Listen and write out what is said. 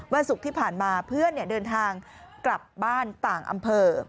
ศุกร์ที่ผ่านมาเพื่อนเดินทางกลับบ้านต่างอำเภอ